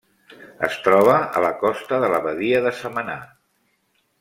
Es troba a la costa de la Badia de Samaná.